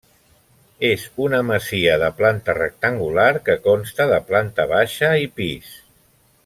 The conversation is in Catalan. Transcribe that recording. És una masia de planta rectangular que consta de planta baixa i pis.